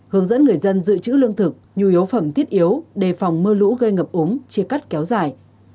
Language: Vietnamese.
hướng dẫn người dân dự trữ lương thực nhu yếu phẩm thiết yếu đề phòng mưa lũ gây ngập ống chia cắt kéo dài